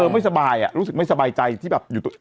เออไม่สบายอะรู้สึกไม่สบายใจที่แบบอยู่ตรงนั้น